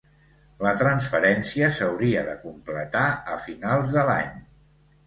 La transferència s'hauria de completar a finals de l'any.